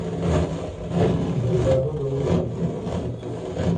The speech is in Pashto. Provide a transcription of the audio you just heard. د زردالو د ونو ترمنځ فاصله څومره وي؟